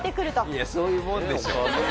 いやそういうもんでしょ。